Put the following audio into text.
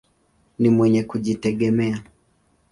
Ni mwenye kujitegemea.